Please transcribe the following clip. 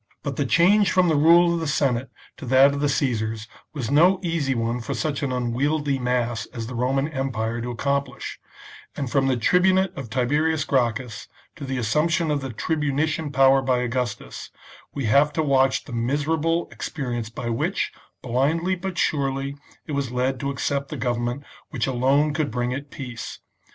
But the change from the rule of the Senate to that of the Caesars was no easy one for such an unwieldy mass as the Roman empire to accomplish, and from the tribunate of Tiberius Gracchus to the assumption of the tribunician power by Augustus, we have to watch the miserable ex perience by which, blindly but surely, it was led to accept the government which alone could bring it peace.